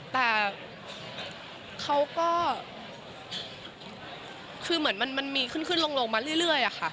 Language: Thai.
แต่เขาก็คือเหมือนมันมีขึ้นขึ้นลงมาเรื่อยอะค่ะ